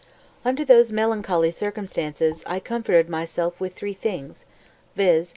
250. "Under those melancholy circumstances I comforted myself with three things, viz.